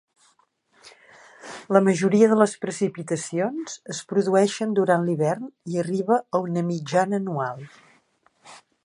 La majoria de les precipitacions es produeixen durant l'hivern i arriba a una mitjana anual.